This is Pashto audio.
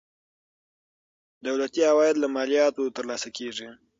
دولتي عواید له مالیاتو ترلاسه کیږي.